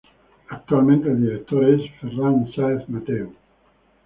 Actualmente el director es Ferran Sáez Mateu.